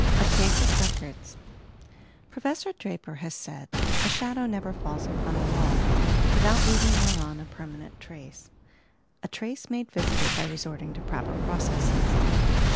"akasic records" Professor Draper has said: "A shadow never falls upon a wail without leaving thereon a permanent trace — a trace made visible by resorting to proper processes.